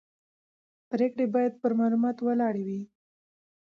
پرېکړې باید پر معلوماتو ولاړې وي